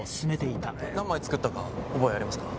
何枚作ったか覚えありますか？